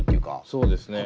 そうですね。